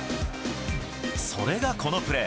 それがこのプレー。